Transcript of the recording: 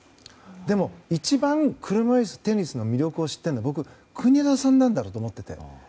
でも、一番車いすテニスの魅力を知っているのは国枝さんなんだろうと思ってて。